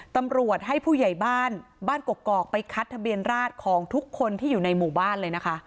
ตำรวจให้ผู้ใหญ่บ้านบ้านกกอกไปคัดทะเบียนราชของทุกคนที่อยู่ในหมู่บ้านเลยนะคะ